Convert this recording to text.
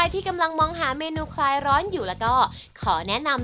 สติมาออกรายการแล้วนะ